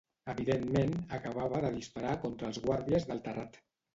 Evidentment, acabava de disparar contra els guàrdies del terrat.